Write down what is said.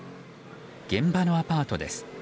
現場のアパートです。